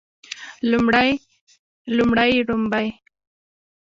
لومړی لومړۍ ړومبی